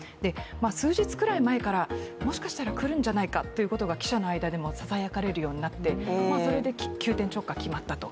数日くらい前からもしかしたら来るんじゃないかということが記者の間でもささやかれるようになって、それで急転直下、決まったと。